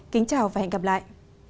kính chào và hẹn gặp lại